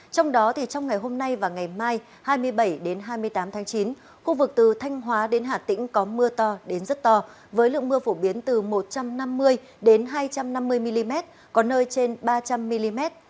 trong đó trong ngày hôm nay và ngày mai hai mươi bảy hai mươi tám tháng chín khu vực từ thanh hóa đến hà tĩnh có mưa to đến rất to với lượng mưa phổ biến từ một trăm năm mươi hai trăm năm mươi mm có nơi trên ba trăm linh mm